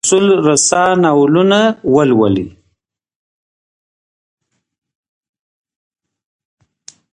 د سید رسول رسا ناولونه ولولئ.